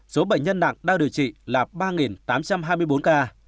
số bệnh nhân nặng đang điều trị là ba tám trăm hai mươi bốn ca